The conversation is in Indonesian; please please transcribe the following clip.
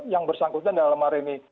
yang bersangkutan dalam hari ini